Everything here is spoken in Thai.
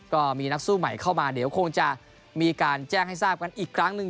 ก็มีนักสู้ใหม่เข้ามาเดี๋ยวคงจะมีการแจ้งให้ทราบกันอีกครั้งหนึ่ง